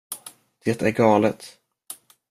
Det är galet.